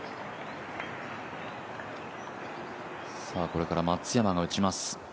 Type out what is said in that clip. これから松山が打ちます。